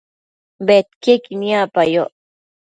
bedquiequi niacpayoc